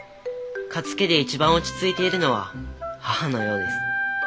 勝家で一番落ち着いているのは母のようです。